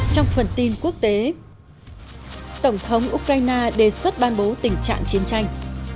trong phần tin quốc tế tổng thống ukraine đề xuất ban bố tình trạng chiến tranh